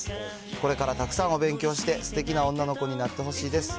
これからたくさんお勉強して、すてきな女の子になってほしいです。